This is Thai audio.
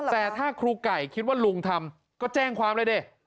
แต่ถ้าครูไก่คิดว่าลุงทำก็แจ้งความเลยดิ